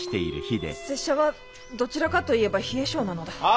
拙者はどちらかといえば冷え性なのだ。